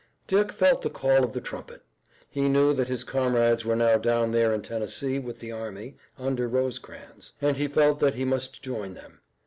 Dick felt the call of the trumpet. He knew that his comrades were now down there in Tennessee with the army under Rosecrans, and he felt that he must join them.